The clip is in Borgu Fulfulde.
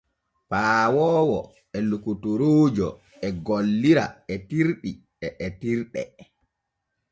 Paawoowo e lokotoroojo e gollira etirɗi e etirde.